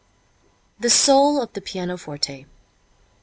The Soul of the Pianoforte.